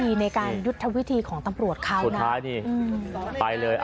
ดีในการยุทธวิธีของตำรวจเขาสุดท้ายนี่ไปเลย